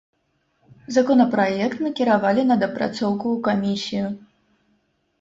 Законапраект накіравалі на дапрацоўку ў камісію.